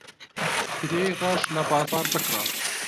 ترێی ڕەش لە بازاڕ بکڕە.